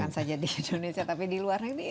bukan saja di indonesia tapi di luar negeri